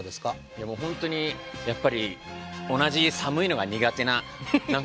いやもう本当にやっぱり同じ寒いのが苦手な仲間意識も何か。